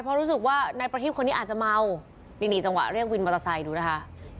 เพราะรู้สึกว่านายประทีบคนนี้อาจจะเมานี่นี่จังหวะเรียกวินมอเตอร์ไซค์ดูนะคะ